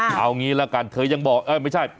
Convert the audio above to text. เอางี้ละกันเธอยังบอกเออไม่ใช่